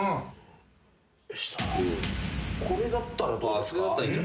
これだったらどうですか？